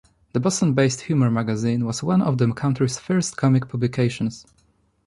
The Boston-based humor magazine was one of the country's first comic publications.